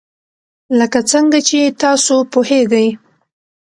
لکه څنګه چې تاسو پوهیږئ.